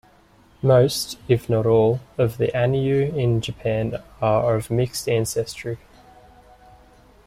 Most, if not all, of the Ainu in Japan are of mixed ancestry.